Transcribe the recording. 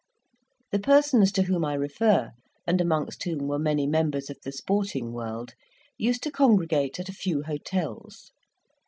The persons to whom I refer, and amongst whom were many members of the sporting world, used to congregate at a few hotels.